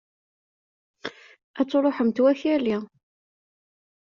Ad truḥemt wakali!